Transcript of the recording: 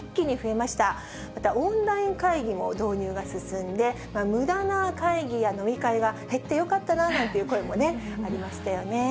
またオンライン会議も導入が進んで、むだな会議や飲み会が減ってよかったななんていう声もね、ありましたよね。